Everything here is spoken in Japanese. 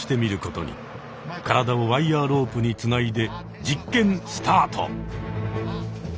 体をワイヤーロープにつないで実験スタート！